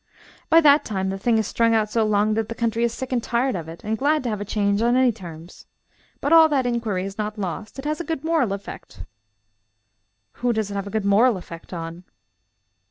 "By that time, the thing has strung out so long that the country is sick and tired of it and glad to have a change on any terms. But all that inquiry is not lost. It has a good moral effect." "Who does it have a good moral effect on?"